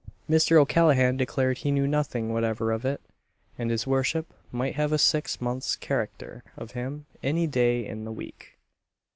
Mr. O'Callaghan declared he knew nothing whatever of it, and his worship might have a six months' carrakter of him any day in the week.